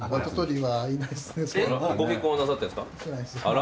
ご結婚はなさってるんですか？